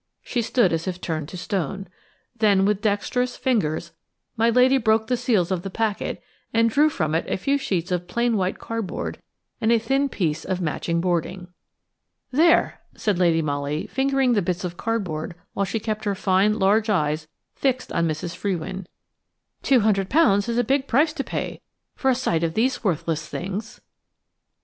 She stood as if turned to stone. Then with dexterous fingers my lady broke the seals of the packet and drew from it a few sheets of plain white cardboard and a thin piece of match boarding. "There!" said Lady Molly, fingering the bits of cardboard while she kept her fine large eyes fixed on Mrs. Frewin; "£200 is a big price to pay for a sight of these worthless things."